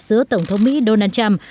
giữa tổng thống mỹ donald trump